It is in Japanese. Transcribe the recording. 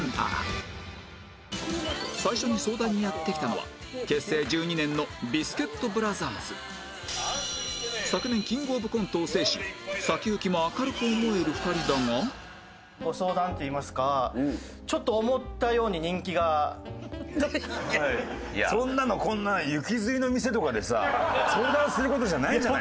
最初に相談にやって来たのは結成１２年のビスケットブラザーズ昨年キングオブコントを制し先行きも明るく思える２人だがご相談といいますかちょっとそんなのこんな行きずりの店とかでさ相談する事じゃないんじゃない？